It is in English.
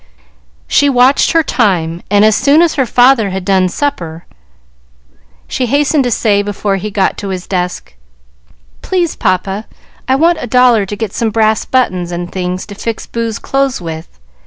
She watched her time, and as soon as her father had done supper, she hastened to say, before he got to his desk, "Please, papa, I want a dollar to get some brass buttons and things to fix Boo's clothes with.